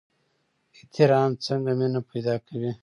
احترام څنګه مینه پیدا کوي؟